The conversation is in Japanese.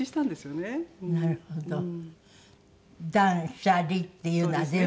「捨」「離」っていうのは全部。